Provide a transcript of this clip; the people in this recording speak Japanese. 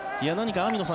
網野さん